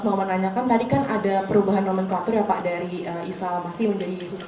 mau menanyakan tadi kan ada perubahan nomenklatur ya pak dari isal masih menjadi isu